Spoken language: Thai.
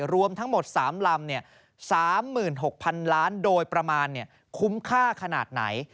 รวมทั้งหมด๓ลำ๓๖๐๐๐ล้านโดยประมาณคุ้มค่าขนาดไหน